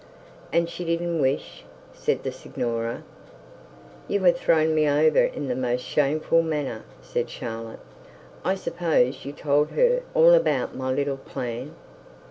'And she didn't wish,' said the signora. 'You have thrown me over in the most shameful manner,' said Charlotte. 'I suppose you told her all about my little plan?'